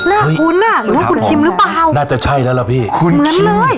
หน้าคุณอ่ะหรือว่าคุณคิมหรือเปล่าน่าจะใช่แล้วล่ะพี่คุณเหมือนเลย